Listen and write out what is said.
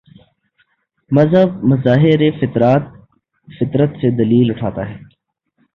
مذہب مظاہر فطرت سے دلیل اٹھاتا ہے۔